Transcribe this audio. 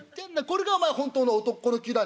これが本当の男の灸だ。